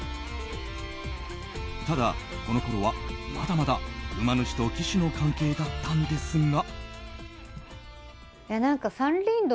ただ、このころはまだまだ馬主と騎手の関係だったんですが。